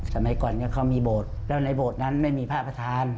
สมัยก่อนเนี่ยเขามีโบสถ์แล้วในโบสถ์นั้นไม่มีพระประธาน